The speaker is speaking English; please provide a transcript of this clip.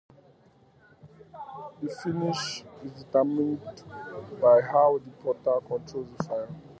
The finish is determined by how the potter controls the fire.